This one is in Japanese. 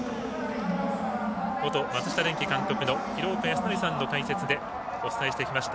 元松下電器監督の廣岡資生さんの解説でお伝えしてきました